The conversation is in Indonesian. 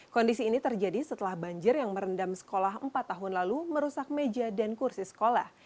kondisi ini terjadi setelah banjir yang merendam sekolah empat tahun lalu merusak meja dan kursi sekolah